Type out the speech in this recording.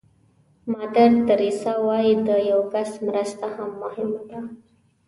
مادر تریسیا وایي د یو کس مرسته هم مهمه ده.